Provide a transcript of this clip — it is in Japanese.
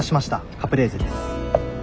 カプレーゼです。